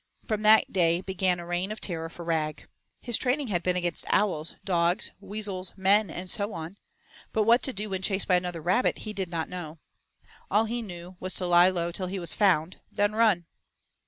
From that day began a reign of terror for Rag. His training had been against owls, dogs, weasels, men, and so on, but what to do when chased by another rabbit, he did not know. All he knew was to lie low till he was found, then run.